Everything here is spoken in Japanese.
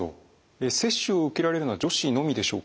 接種を受けられるのは女子のみでしょうか？